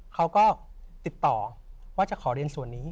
เขาก็ติดต่อว่าจะขอเรียนส่วนนี้